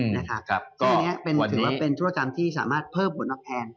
อันนี้ถือว่าเป็นธุรกรรมที่สามารถเพิ่มผลตอบแทน